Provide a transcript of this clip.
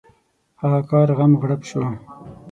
د هغه کار غم غړپ شو.